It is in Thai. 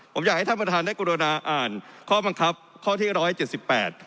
ผมอยากให้ท่านประธานได้กรุณาอ่านข้อบังคับข้อที่ร้อยเจ็ดสิบแปด